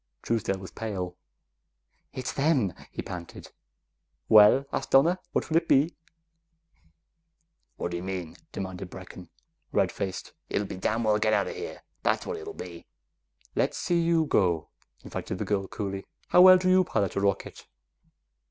Truesdale's was pale. "It's them!" he panted. "Well," asked Donna, "what will it be?" "Whaddya mean?" demanded Brecken, red faced. "It'll be get dam' well outa here, that's what it'll be!" "Let's see you go," invited the girl coolly. "How well do you pilot a rocket?"